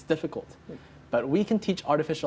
tetapi kami dapat mengajari kecerdasan artifisial